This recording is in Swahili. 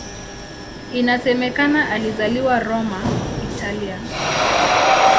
Inasemekana alizaliwa Roma, Italia.